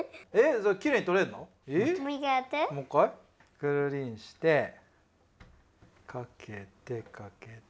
くるりんしてかけてかけて。